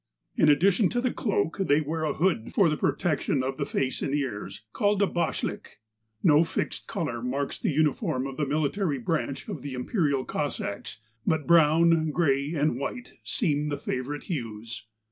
In addition to the cloak they wear a hood for the protection of the face and ears, called a hashlick.''^ No fixed colour marks the uni¬ form of the military branch of the imperial Cossacks, but brown, grey, and white, seem the favourite hues.